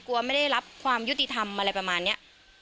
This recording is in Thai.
ไม่ได้รับความยุติธรรมอะไรประมาณนี้